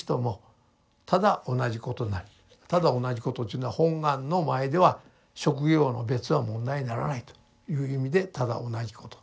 「ただおなじこと」というのは本願の前では職業の別は問題にならないという意味でただ同じこと。